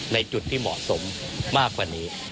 ในจุดที่เหมาะสมมากกว่านี้